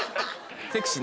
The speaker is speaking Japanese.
「セクシー」